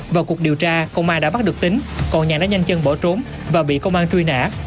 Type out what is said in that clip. vào cuộc điều tra công an đã bắt được tính còn nhà đã nhanh chân bỏ trốn và bị công an truy nã